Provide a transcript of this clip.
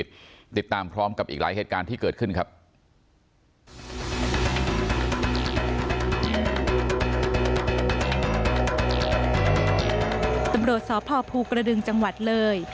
ตำรวจสพภูกระดึงจังหวัดเลย